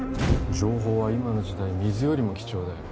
情報は今の時代水よりも貴重だよ